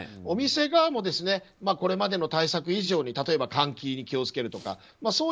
お店側もこれまでの対策以上に例えば換気に気を付けるとか。